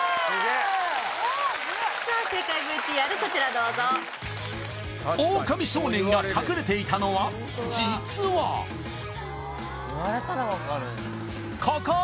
正解ＶＴＲこちらどうぞオオカミ少年が隠れていたのは実はここー！